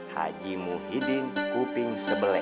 haji muhyiddin kuping sebele